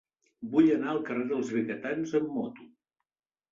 Vull anar al carrer dels Vigatans amb moto.